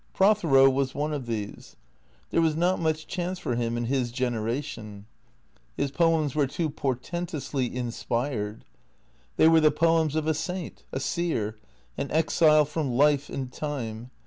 Prothero was one of these. There was not much chance for him in his generation. His poems were too por tentously inspired. They were the poems of a saint, a seer, an exile from life and time.